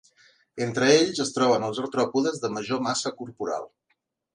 Entre ells es troben els artròpodes de major massa corporal.